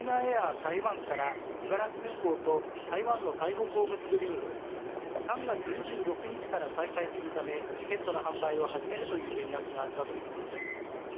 台湾から茨城空港と台湾の台北を結ぶ便を３月２６日から再開するためチケットの販売を始めるという連絡があったということです。